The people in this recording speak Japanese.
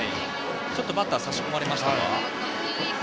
ちょっとバッター差し込まれましたか。